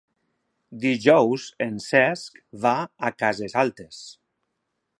Dijous en Cesc va a Cases Altes.